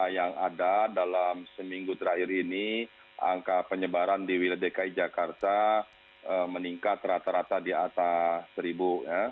yang ada dalam seminggu terakhir ini angka penyebaran di wilayah dki jakarta meningkat rata rata di atas seribu